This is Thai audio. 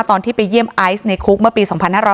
ตอนที่ไปเยี่ยมไอซ์ในคุกเมื่อปี๒๕๕๙